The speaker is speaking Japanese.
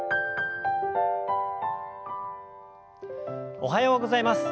おはようございます。